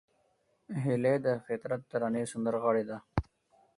هیلۍ د فطرت ترانې سندرغاړې ده